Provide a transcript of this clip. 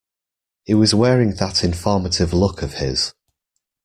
He was wearing that informative look of his.